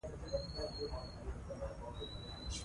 د افغانستان عنعنوي خواړه تاریخي ريښه لري.